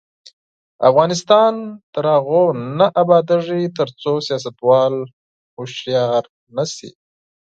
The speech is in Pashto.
افغانستان تر هغو نه ابادیږي، ترڅو سیاستوال هوښیار نشي.